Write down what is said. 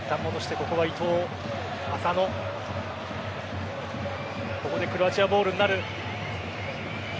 ここでクロアチアボールになる。